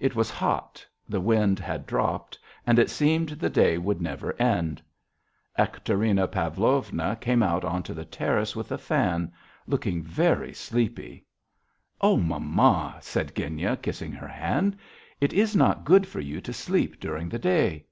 It was hot, the wind had dropped, and it seemed the day would never end. Ekaterina Pavlovna came out on to the terrace with a fan, looking very sleepy. "O, mamma," said Genya, kissing her hand. "It is not good for you to sleep during the day."